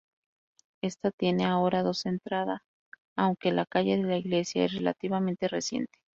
Ésta tiene ahora dos entrada, aunque la calle de la Iglesia es relativamente reciente.